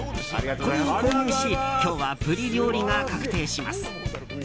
これを購入し今日はブリ料理が確定します。